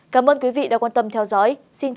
cảm ơn quý vị đã quan tâm theo dõi